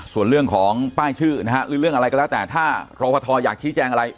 ส่วนเรื่องของป้ายชื่อนะฮะหรือเรื่องอะไรก็แล้วแต่ถ้ารอฟทอยากชี้แจงอะไร